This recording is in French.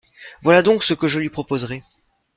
Voilà donc ce que je lui proposerais.